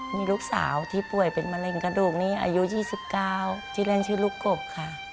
มีลูกสาวที่ป่วยเป็นมะเร็งกระดูกนี้อายุ๒๙ชื่อเล่นชื่อลูกกบค่ะ